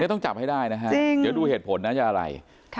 ต้องจับให้ได้นะฮะเดี๋ยวดูเหตุผลนะจะอะไร